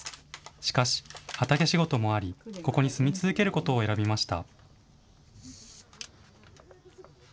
しかし、畑仕事もありここに住み続けることを選びました。